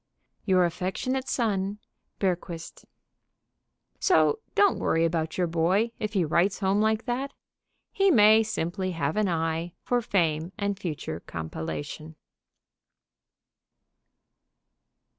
Your affectionate son, BERGQUIST. So don't worry about your boy if he writes home like that. He may simply have an eye for fame and future compilation.